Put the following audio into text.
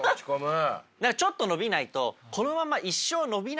何かちょっと伸びないとあれ？